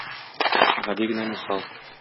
Гади генә мисал.